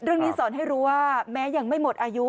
เรื่องนี้สอนให้รู้ว่าแม้ยังไม่หมดอายุ